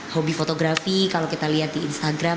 hobi fotografi kalau kita lihat di instagram